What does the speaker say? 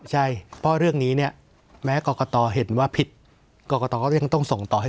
ใช่เพราะเรื่องนี้แม้กรกฎฮหัดว่าผิดยังต้องส่งต่อให้